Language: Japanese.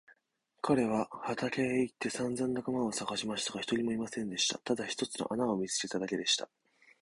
彼は畑へ行ってさんざん仲間をさがしましたが、一人もいませんでした。ただ一つの穴を見つけただけでした。